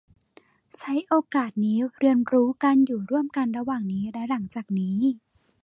ใช้โอกาสนี้เรียนรู้การอยู่ร่วมกันระหว่างนี้และหลังจากนี้